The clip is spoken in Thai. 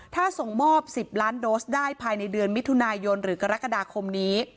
ถ้าส่งมอบ๑๐ล้านโดสได้ภายในเดือนมิถุนายนหรือกรกฎาคมนี้